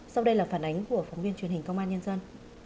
sau đây là phản ánh của phóng viên truyền hình công an nhân dân